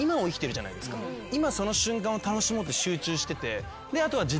今その瞬間を楽しもうって集中しててであとは。